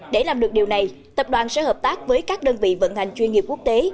để làm được điều này tập đoàn sẽ hợp tác với các đơn vị vận hành chuyên nghiệp quốc tế